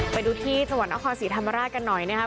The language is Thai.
ไปดูที่สวรรค์อาคอสีธรรมราชกันหน่อยนะครับ